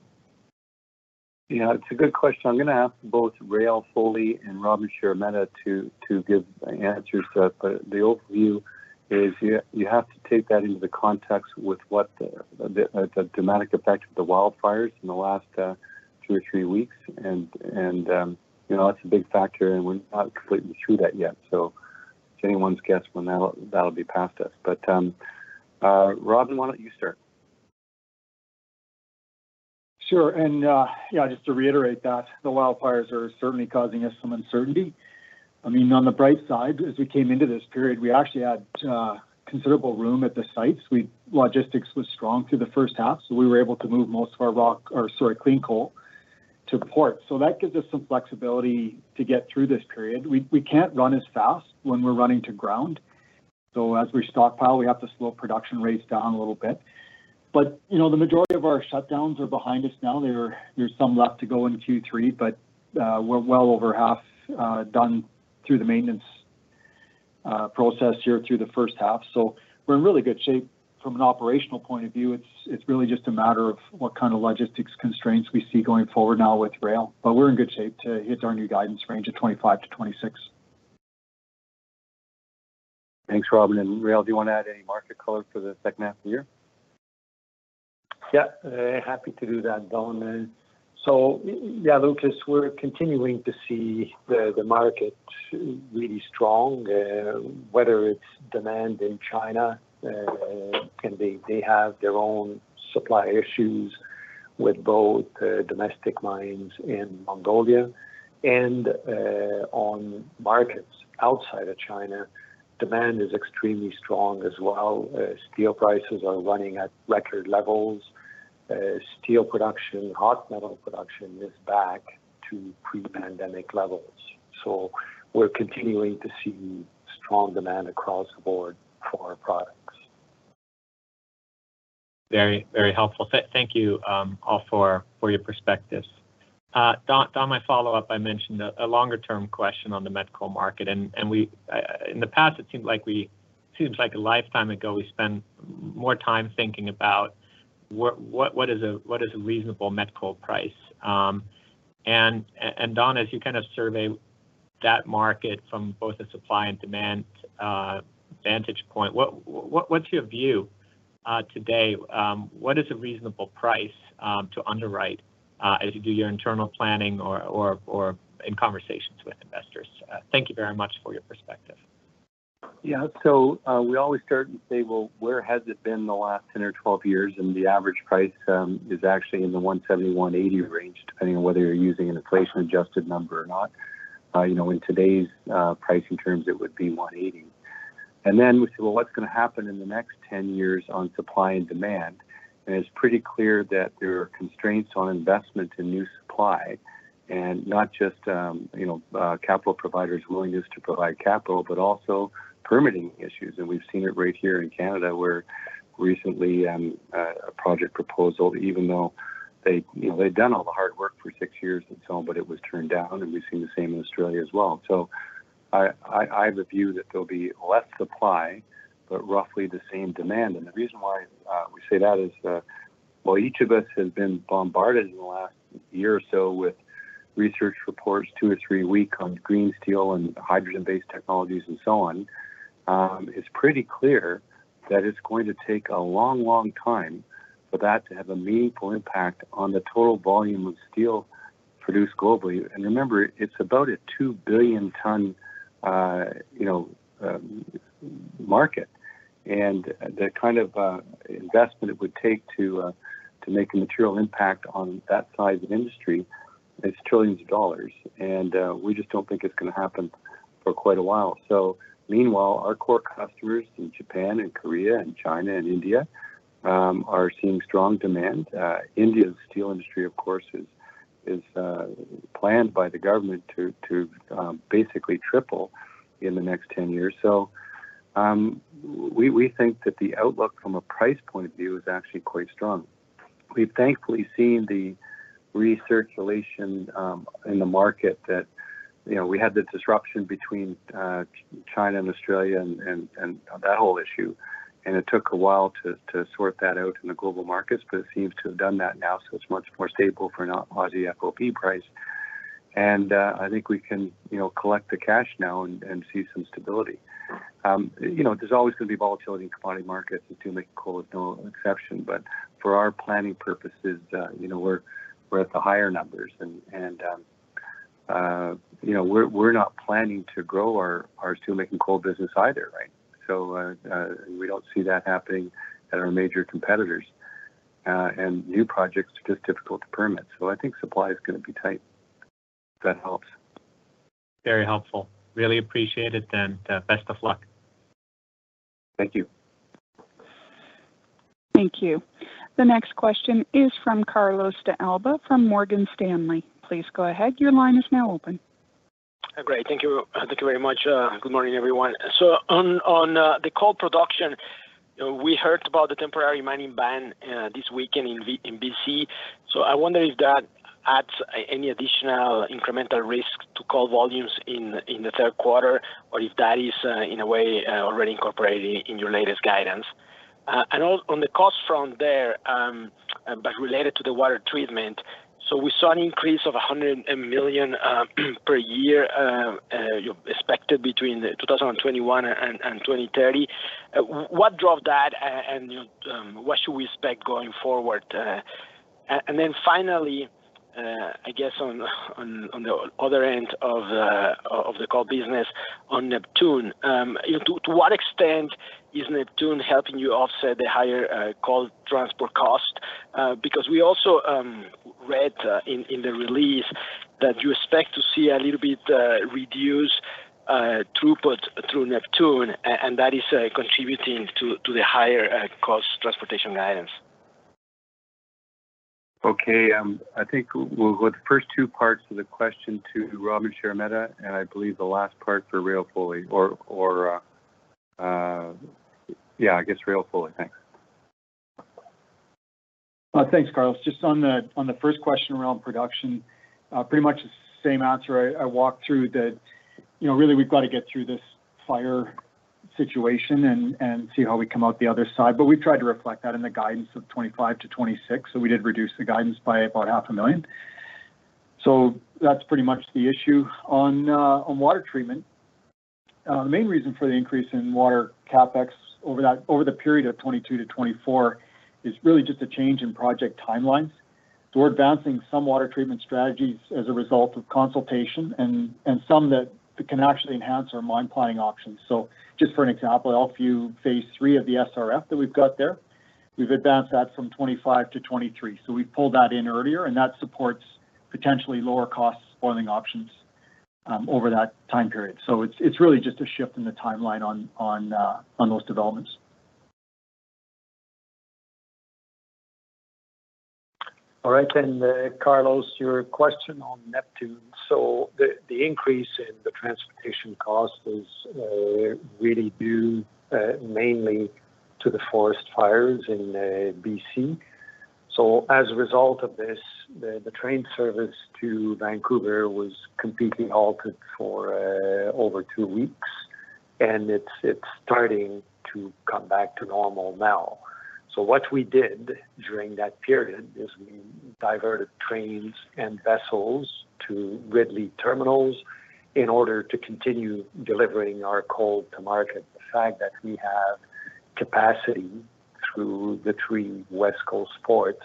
S3: Yeah, it's a good question. I'm going to ask both Réal Foley and Robin Sheremeta to give answers to it. The overview is you have to take that into the context with what the dramatic effect of the wildfires in the last two or three weeks, and that's a big factor, and we're not completely through that yet. It's anyone's guess when that'll be past us. Robin, why don't you start?
S10: Sure. Just to reiterate that the wildfires are certainly causing us some uncertainty. On the bright side, as we came into this period, we actually had considerable room at the sites. Logistics was strong through the first half, so we were able to move most of our clean coal to port. That gives us some flexibility to get through this period. We can't run as fast when we're running to ground. As we stockpile, we have to slow production rates down a little bit. The majority of our shutdowns are behind us now. There's some left to go in Q3, but we're well over half done through the maintenance process here through the first half. We're in really good shape from an operational point of view. It's really just a matter of what kind of logistics constraints we see going forward now with rail. We're in good shape to hit our new guidance range of 2025-2026.
S3: Thanks, Robin. Réal, do you want to add any market color for the second half of the year?
S11: Yeah, happy to do that, Don. Yeah, Lucas, we're continuing to see the market really strong, whether it's demand in China, and they have their own supply issues with both domestic mines in Mongolia and on markets outside of China. Demand is extremely strong as well. Steel prices are running at record levels. Steel production, hot metal production, is back to pre-pandemic levels. We're continuing to see strong demand across the board for our products.
S9: Very helpful. Thank you all for your perspectives. Don, my follow-up, I mentioned a longer-term question on the met coal market. In the past, it seems like a lifetime ago, we spent more time thinking about what is a reasonable met coal price. Don, as you kind of survey that market from both a supply and demand vantage point, what's your view today? What is a reasonable price to underwrite as you do your internal planning or in conversations with investors? Thank you very much for your perspective.
S3: Yeah. We always start and say, well, where has it been the last 10 or 12 years? The average price is actually in the 170, 180 range, depending on whether you're using an inflation-adjusted number or not. In today's pricing terms, it would be 180. We say, well, what's going to happen in the next 10 years on supply and demand? It's pretty clear that there are constraints on investment in new supply, and not just capital providers' willingness to provide capital, but also permitting issues. We've seen it right here in Canada, where recently a project proposal, even though they'd done all the hard work for six years and so on, but it was turned down, and we've seen the same in Australia as well. I have a view that there'll be less supply but roughly the same demand. The reason why we say that is while each of us has been bombarded in the last year or so with research reports two or three week on green steel and hydrogen-based technologies and so on, it is pretty clear that it is going to take a long, long time for that to have a meaningful impact on the total volume of steel produced globally. Remember, it is about a 2 billion ton market. The kind of investment it would take to make a material impact on that size of industry is trillions of CAD, and we just don't think it is going to happen for quite a while. Meanwhile, our core customers in Japan and Korea and China and India are seeing strong demand. India's steel industry, of course, is planned by the government to basically triple in the next 10 years.
S10: We think that the outlook from a price point of view is actually quite strong. We've thankfully seen the recirculation in the market that we had the disruption between China and Australia and that whole issue, and it took a while to sort that out in the global markets, but it seems to have done that now, so it's much more stable for an Aussie FOB price. I think we can collect the cash now and see some stability. There's always going to be volatility in commodity markets and steelmaking coal is no exception. For our planning purposes, we're at the higher numbers and we're not planning to grow our steelmaking coal business either, right? We don't see that happening at our major competitors. New projects are just difficult to permit. I think supply is going to be tight. If that helps.
S9: Very helpful. Really appreciate it then. Best of luck.
S3: Thank you.
S1: Thank you. The next question is from Carlos de Alba from Morgan Stanley. Please go ahead.
S12: Great. Thank you very much. Good morning, everyone. On the coal production, we heard about the temporary mining ban this weekend in B.C. I wonder if that adds any additional incremental risk to coal volumes in the third quarter or if that is, in a way, already incorporated in your latest guidance. On the cost front there, but related to the water treatment, we saw an increase of 100 million per year expected between 2021 and 2030. What drove that and what should we expect going forward? Finally, I guess on the other end of the coal business on Neptune, to what extent is Neptune helping you offset the higher coal transport cost? We also read in the release that you expect to see a little bit reduced throughput through Neptune, and that is contributing to the higher cost transportation guidance.
S3: Okay. I think we'll put the first two parts of the question to Robin Sheremeta, and I believe the last part for Réal Foley. I guess Réal Foley. Thanks.
S10: Thanks, Carlos. Just on the first question around production, pretty much the same answer. I walked through that really we've got to get through this fire situation and see how we come out the other side. We've tried to reflect that in the guidance of 2025-2026, we did reduce the guidance by about half a million. That's pretty much the issue. On water treatment, the main reason for the increase in water CapEx over the period of 2022-2024 is really just a change in project timelines. We're advancing some water treatment strategies as a result of consultation, and some that can actually enhance our mine planning options. Just for an example, I'll give you phase III of the SRF that we've got there. We've advanced that from 2025 - 2023. We've pulled that in earlier, and that supports potentially lower cost spoiling options over that time period. It's really just a shift in the timeline on those developments.
S11: All right, Carlos, your question on Neptune Terminal. The increase in the transportation cost is really due mainly to the forest fires in B.C. As a result of this, the train service to Vancouver was completely halted for over two weeks, and it's starting to come back to normal now. What we did during that period is we diverted trains and vessels to Ridley Terminals in order to continue delivering our coal to market. The fact that we have capacity through the three West Coast ports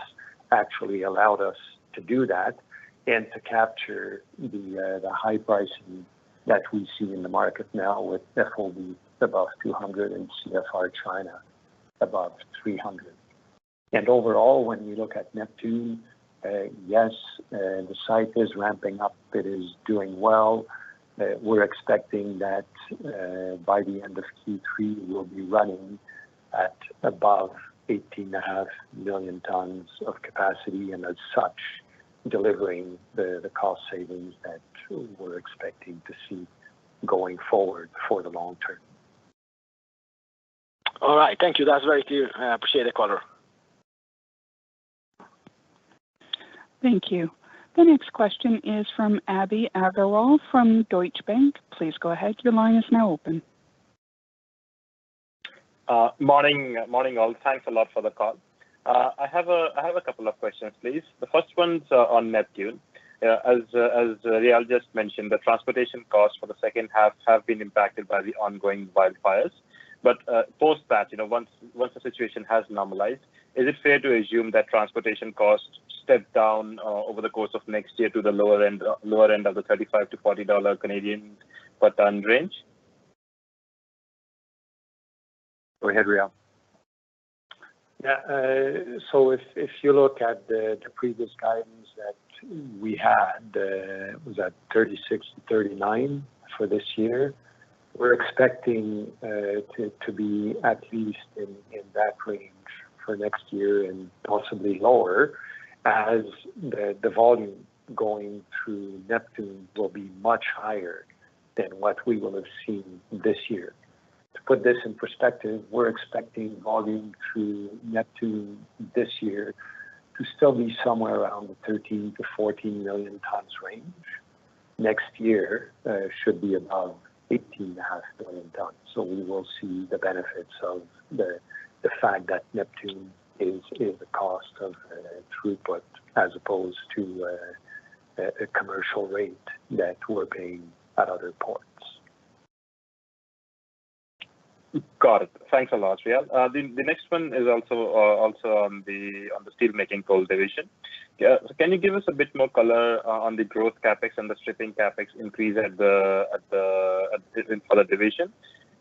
S11: actually allowed us to do that and to capture the high pricing that we see in the market now with FOB above $200 and CFR China above $300. Overall, when you look at Neptune Terminal, yes, the site is ramping up. It is doing well. We're expecting that by the end of Q3, we'll be running at above 18.5 million tons of capacity, and as such, delivering the cost savings that we're expecting to see going forward for the long term.
S12: All right. Thank you. That's very clear. I appreciate it, Claudio.
S1: Thank you. The next question is from Abhinandan Agarwal from Deutsche Bank. Please go ahead. Your line is now open.
S13: Morning all. Thanks a lot for the call. I have a couple of questions, please. The first one's on Neptune. As Réal just mentioned, the transportation costs for the second half have been impacted by the ongoing wildfires. Post that, once the situation has normalized, is it fair to assume that transportation costs step down over the course of next year to the lower end of the 35-40 dollar per ton range?
S3: Go ahead, Réal.
S11: Yeah. If you look at the previous guidance that we had, was at 36-39 for this year. We're expecting to be at least in that range for next year and possibly lower, as the volume going through Neptune will be much higher than what we will have seen this year. To put this in perspective, we're expecting volume through Neptune this year to still be somewhere around the 13 million-14 million tons range. Next year should be above 18.5 million tons. We will see the benefits of the fact that Neptune is a cost of throughput as opposed to a commercial rate that we're paying at other ports.
S13: Got it. Thanks a lot, Réal. The next one is also on the steelmaking coal division. Can you give us a bit more color on the growth CapEx and the stripping CapEx increase for the division?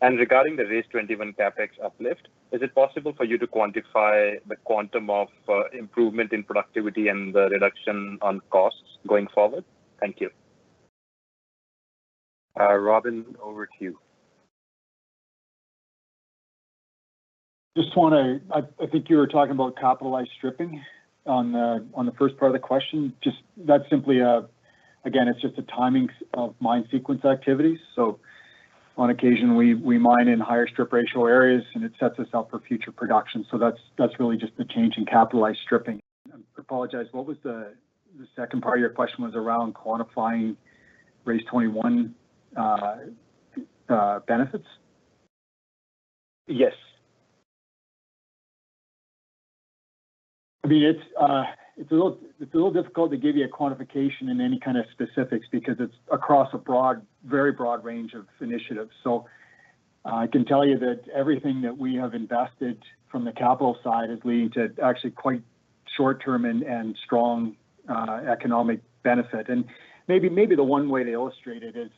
S13: Regarding the RACE21 CapEx uplift, is it possible for you to quantify the quantum of improvement in productivity and the reduction on costs going forward? Thank you.
S3: Robin, over to you.
S10: I think you were talking about capitalized stripping on the first part of the question. Again, it's just the timing of mine sequence activities. On occasion, we mine in higher strip ratio areas, and it sets us up for future production. That's really just the change in capitalized stripping. I apologize, what was the second part of your question, was around quantifying RACE21 benefits?
S13: Yes.
S10: It's a little difficult to give you a quantification in any kind of specifics because it's across a very broad range of initiatives. I can tell you that everything that we have invested from the capital side is leading to actually quite short-term and strong economic benefit. Maybe the one way to illustrate it is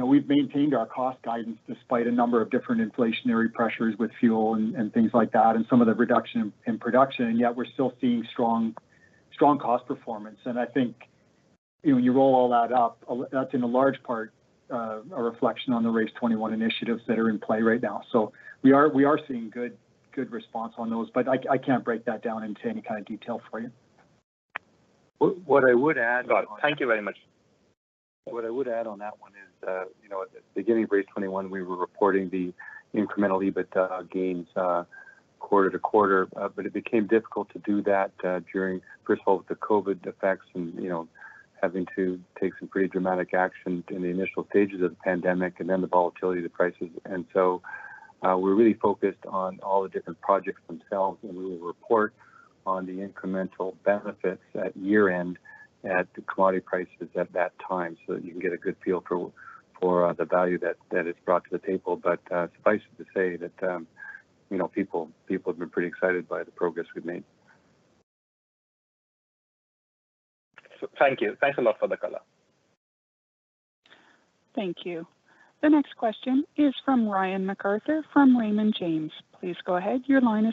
S10: we've maintained our cost guidance despite a number of different inflationary pressures with fuel and things like that, and some of the reduction in production, and yet we're still seeing strong cost performance. I think, when you roll all that up, that's in a large part a reflection on the RACE21 initiatives that are in play right now. We are seeing good response on those, but I can't break that down into any kind of detail for you.
S3: What I would add on.
S13: Got it. Thank you very much.
S3: What I would add on that one is, at the beginning of RACE21, we were reporting the incremental EBITDA gains quarter to quarter, but it became difficult to do that during, first of all, the COVID effects and having to take some pretty dramatic action in the initial stages of the pandemic, and then the volatility of the prices. We're really focused on all the different projects themselves, and we will report on the incremental benefits at year-end at the commodity prices at that time, so that you can get a good feel for the value that is brought to the table. Suffice it to say that people have been pretty excited by the progress we've made.
S13: Thank you. Thanks a lot for the color.
S1: Thank you. The next question is from Brian MacArthur from Raymond James. Please go ahead.
S14: Good morning.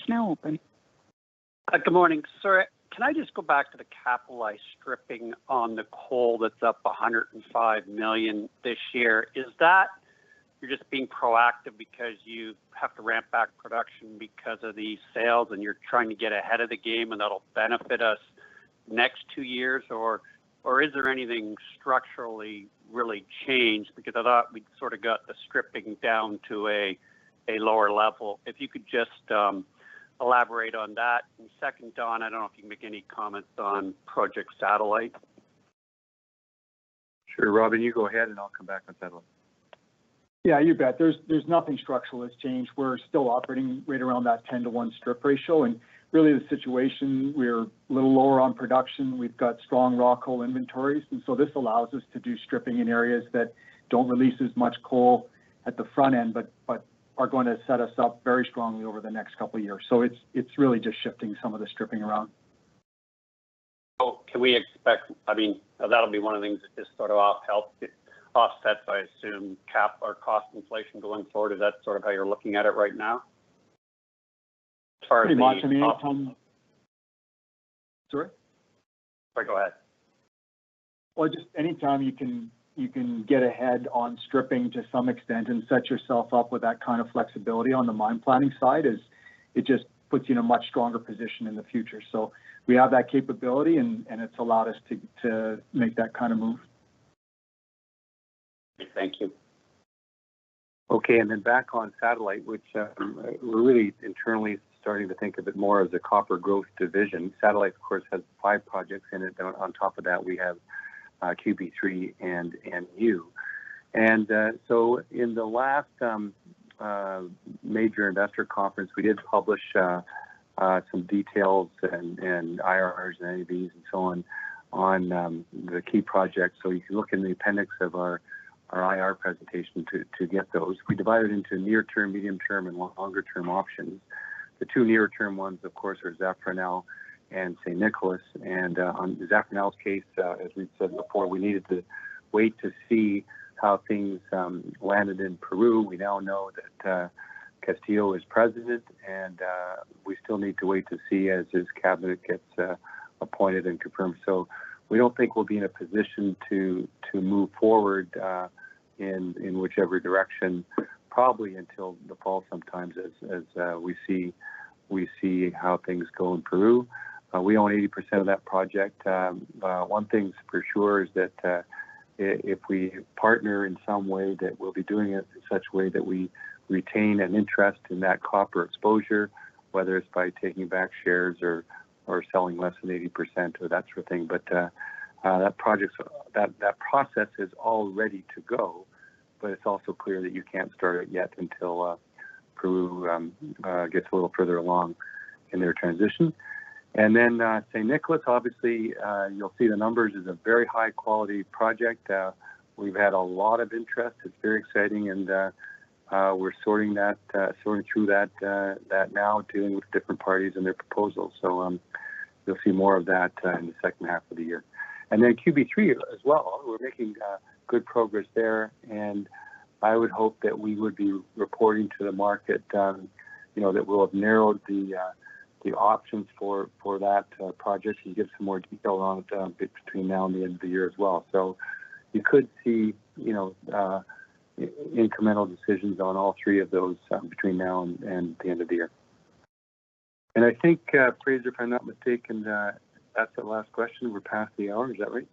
S14: Sir, can I just go back to the capitalized stripping on the coal that's up 105 million this year? Is that you're just being proactive because you have to ramp back production because of the sales, and you're trying to get ahead of the game and that'll benefit us next two years? Or is there anything structurally really changed? Because I thought we sort of got the stripping down to a lower level. If you could just elaborate on that. Second, Don, I don't know if you can make any comments on Project Satellite.
S3: Sure, Robin, you go ahead and I'll come back on that one.
S10: Yeah, you bet. There's nothing structural that's changed. We're still operating right around that 10 - 1 strip ratio, and really the situation, we're a little lower on production. This allows us to do stripping in areas that don't release as much coal at the front end, but are going to set us up very strongly over the next couple of years. It's really just shifting some of the stripping around.
S14: Can we expect that'll be one of the things that just sort of offsets, I assume, CapEx or cost inflation going forward? Is that sort of how you're looking at it right now?
S10: Pretty much. I mean, anytime Sorry?
S14: Sorry, go ahead.
S10: Well, just anytime you can get ahead on stripping to some extent and set yourself up with that kind of flexibility on the mine planning side is it just puts you in a much stronger position in the future. We have that capability, and it's allowed us to make that kind of move.
S14: Okay. Thank you.
S3: Okay, back on Satellite, which we're really internally starting to think of it more as a copper growth division. Satellite, of course, has five projects in it. On top of that, we have QB3 and Mu. In the last major investor conference, we did publish some details and IRRs and NPVs and so on the key projects. You can look in the appendix of our IR presentation to get those. We divide it into near term, medium term, and longer term options. The two near term ones, of course, are Zafranal and San Nicolás. On Zafranal's case, as we've said before, we needed to wait to see how things landed in Peru. We now know that Castillo is president, we still need to wait to see as his cabinet gets appointed and confirmed. We don't think we'll be in a position to move forward in whichever direction probably until the fall sometime, as we see how things go in Peru. We own 80% of that project. One thing's for sure, is that if we partner in some way, that we'll be doing it in such a way that we retain an interest in that copper exposure, whether it's by taking back shares or selling less than 80% or that sort of thing. That process is all ready to go, but it's also clear that you can't start it yet until Peru gets a little further along in their transition. Then San Nicolás, obviously, you'll see the numbers, is a very high-quality project. We've had a lot of interest. It's very exciting, and we're sorting through that now, dealing with different parties and their proposals. You'll see more of that in the second half of the year. QB3 as well. We're making good progress there, and I would hope that we would be reporting to the market that we'll have narrowed the options for that project and give some more detail on it between now and the end of the year as well. You could see incremental decisions on all three of those between now and the end of the year. I think, Fraser, if I'm not mistaken, that's the last question. We're past the hour. Is that right?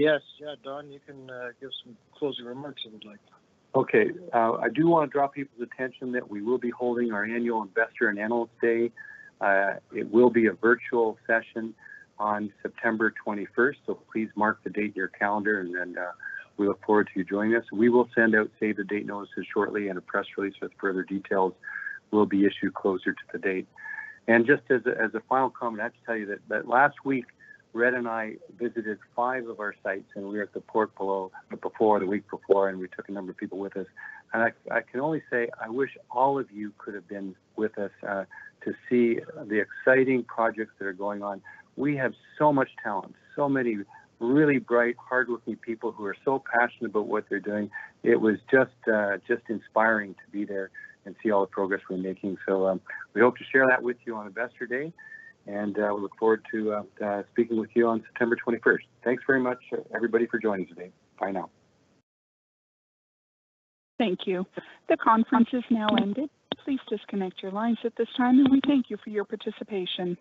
S2: Yes. Yeah, Don, you can give some closing remarks if you'd like.
S3: Okay. I do want to draw people's attention that we will be holding our annual investor and analyst day. It will be a virtual session on September 21st. Please mark the date in your calendar. We look forward to you joining us. We will send out save the date notices shortly. A press release with further details will be issued closer to the date. Just as a final comment, I have to tell you that last week, Red and I visited five of our sites, and we were at the Portillo the week before, and we took a number of people with us. I can only say I wish all of you could have been with us to see the exciting projects that are going on. We have so much talent, so many really bright, hard-working people who are so passionate about what they're doing. It was just inspiring to be there and see all the progress we're making. We hope to share that with you on investor day, and we look forward to speaking with you on September 21st. Thanks very much, everybody, for joining today. Bye now.
S1: Thank you. The conference has now ended. Please disconnect your lines at this time, and we thank you for your participation.